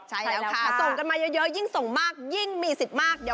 ใช่แล้วค่ะส่งกันมาเยอะยิ่งส่งมากยิ่งมีสิทธิ์มาก